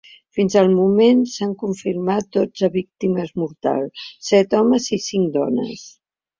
Fins al moment s’han confirmat dotze víctimes mortals, set homes i cinc dones.